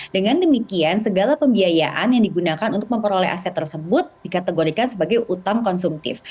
dengan demikian segala pembiayaan yang digunakan untuk memperoleh aset tersebut dikategorikan sebagai utang konsumtif